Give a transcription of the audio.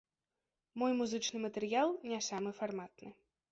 Мой музычны матэрыял не самы фарматны.